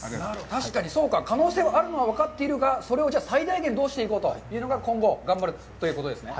確かに、そうか、可能性はあるのが分かっているが、じゃあ、それを最大限、どうしていこうかというのが今後、頑張るということですね。